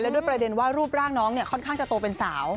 ด้วยประเด็นว่ารูปร่างน้องเนี่ยค่อนข้างจะโตเป็นสาว